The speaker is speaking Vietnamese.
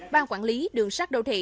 bang quản lý đường sát đô thị